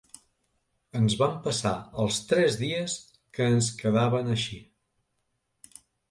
Ens vam passar els tres dies que ens quedaven així.